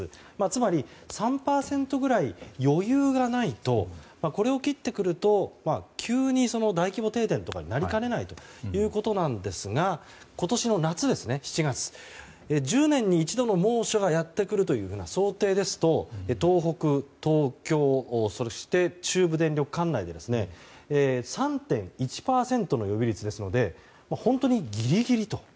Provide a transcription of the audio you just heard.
つまり、３％ぐらい余裕がないとこれを切ってくると急に大規模停電とかになりかねないということですが今年の夏、７月１０年に一度の猛暑がやってくるという想定ですと東北、東京、中部電力管内では３．１％の予備率ですので本当にギリギリと。